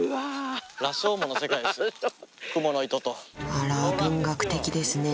あら文学的ですね